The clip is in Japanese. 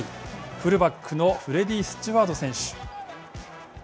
フルバックのフレディー・スチュワード選手。